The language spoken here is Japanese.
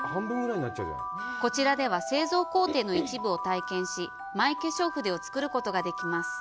こちらでは、製造工程の一部を体験し、マイ化粧筆を作ることができます。